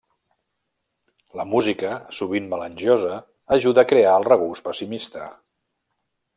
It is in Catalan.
La música, sovint melangiosa, ajuda a crear el regust pessimista.